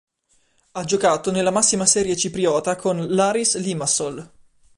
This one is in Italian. Ha giocato nella massima serie cipriota con l'Aris Limassol.